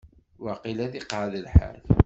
Waqil ad iqeεεed lḥal.